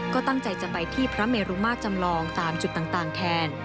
ก็ตั้งใจจะไปที่พระเมรุมาจำลองตามจุดต่างแทน